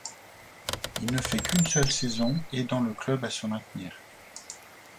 Il ne fait qu'une seule saison aidant le club à se maintenir.